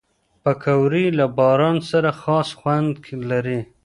پکورې له باران سره خاص خوند لري